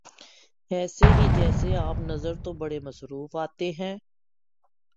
ایسے ہی جیسے آپ نظر تو بڑے مصروف آتے ہیں